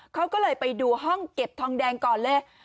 เขาก็เลยไปดูห้องเก็บทองแดงก่อนเลย